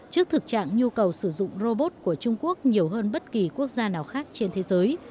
trước thực trạng nhu cầu sử dụng robot của trung quốc nhiều hơn bất kỳ quốc gia nào khác trên thế giới